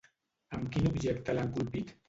Amb quin objecte l'han colpit?